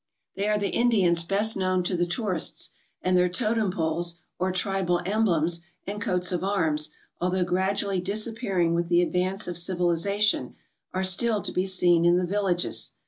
They are the Indians best known to the tourists, and their totem poles or tribal 45 ALASKA OUR NORTHERN WONDERLAND emblems and coats of arms, although gradually dis appearing with the advance of civilization, are still to be seen in the villages.